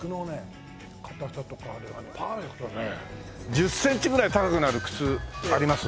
１０センチぐらい高くなる靴あります？